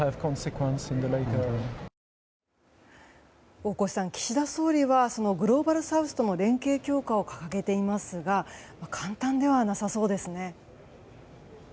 大越さん、岸田総理はグローバルサウスとの連携強化を掲げていますが簡単ではなさそうですね。